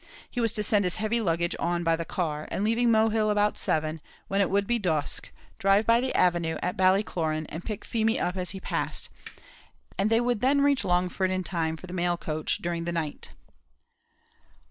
He was to send his heavy luggage on by the car, and leaving Mohill about seven, when it would be dusk, drive by the avenue at Ballycloran and pick Feemy up as he passed, and they would then reach Longford in time for the mail coach during the night.